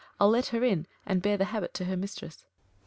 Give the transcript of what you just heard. I'll let Her iu ; and bear the habit to her mistress.